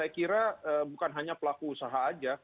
saya kira bukan hanya pelaku usaha saja